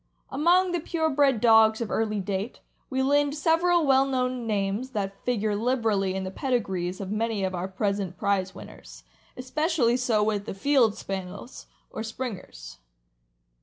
Among the pure bred dogs of early date, we lind several well known names that figure liberally in the pedigrees of many of our present prize winners; especially so with the Field Spaniels, or Springers.